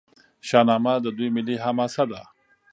شاهنامه د دوی ملي حماسه ده.